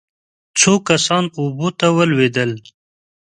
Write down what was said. څو کسان اوبو ته ولوېدل.